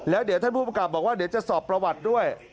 แล้วเดี๋ยวท่านผู้ประกลับบอกว่าเดี๋ยวจะสอบประวัติด้วย